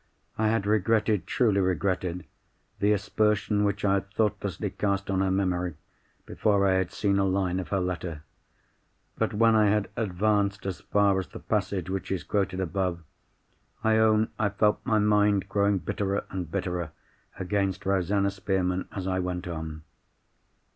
I had regretted, truly regretted, the aspersion which I had thoughtlessly cast on her memory, before I had seen a line of her letter. But when I had advanced as far as the passage which is quoted above, I own I felt my mind growing bitterer and bitterer against Rosanna Spearman as I went on.